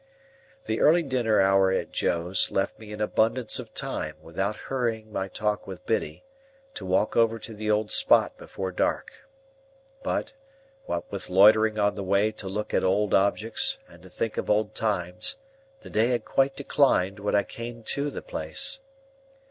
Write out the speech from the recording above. The early dinner hour at Joe's, left me abundance of time, without hurrying my talk with Biddy, to walk over to the old spot before dark. But, what with loitering on the way to look at old objects and to think of old times, the day had quite declined when I came to the place.